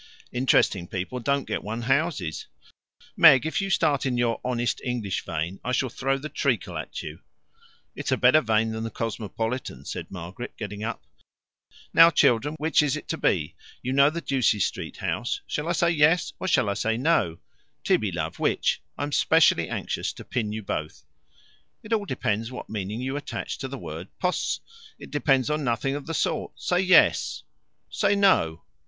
"Interesting people don't get one houses." "Meg, if you start in your honest English vein, I shall throw the treacle at you." "It's a better vein than the cosmopolitan," said Margaret, getting up. "Now, children, which is it to be? You know the Ducie Street house. Shall I say yes or shall I say no? Tibby love which? I'm specially anxious to pin you both." "It all depends what meaning you attach to the word 'possi '" "It depends on nothing of the sort. Say 'yes.'" "Say 'no.'"